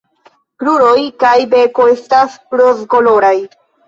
La kruroj kaj beko estas rozkoloraj.